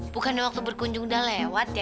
bukannya waktu berkunjung udah lewat ya